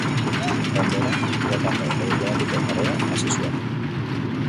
Ondoren irakasle eta diplomatiko karrera hasi zuen.